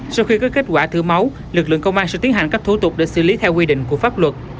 sau khi có kết quả thử máu lực lượng công an sẽ tiến hành các thủ tục để xử lý theo quy định của pháp luật